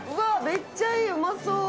めっちゃいい。うまそう。